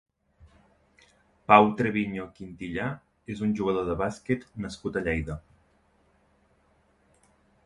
Pau Treviño Quintillà és un jugador de bàsquet nascut a Lleida.